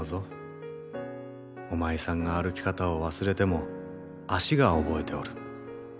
おまいさんが歩き方を忘れても足が覚えておる。